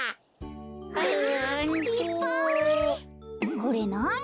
これなに？